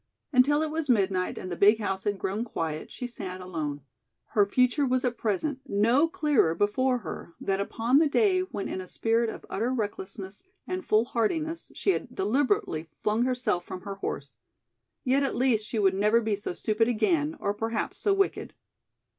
Until it was midnight and the big house had grown quiet she sat alone. Her future was at present no clearer before her than upon the day when in a spirit of utter recklessness and foolhardiness she had deliberately flung herself from her horse. Yet at least she would never be so stupid again or perhaps so wicked!